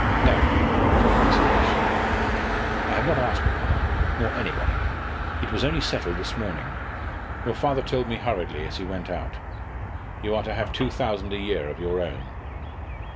"No," said Marcella, shortly. "I have not asked papa, nor anybody." "It was only settled this morning. Your father told me hurriedly as he went out. You are to have two thousand a year of your own."